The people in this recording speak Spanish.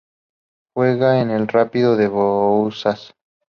Juega en el Rápido de Bouzas.